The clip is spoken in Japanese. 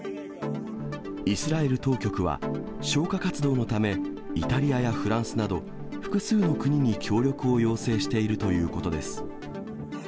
イスラエル当局は消火活動のため、イタリアやフランスなど、複数の国に協力を要請しているということです。